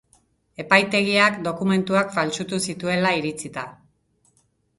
Epaitegiak, dokumentuak faltsutu zituela iritzita.